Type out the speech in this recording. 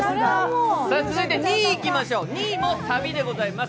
続いて２位いきましょう、２位もサビでございます。